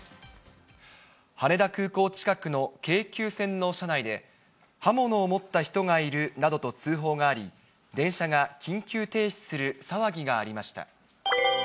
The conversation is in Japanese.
羽田空港近くの京急線の車内で、刃物を持った人がいるなどと通報があり、電車が緊急停止する騒ぎがありました。